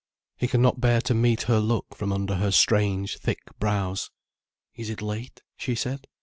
He could not bear to meet her look from under her strange, thick brows. "Is it late?" she said.